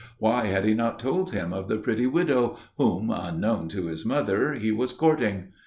Why had he not told him of the pretty widow, whom, unknown to his mother, he was courting?